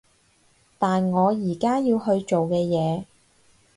但我而家要去做嘅嘢